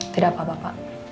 tidak apa apa pak